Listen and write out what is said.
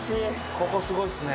ここすごいっすね。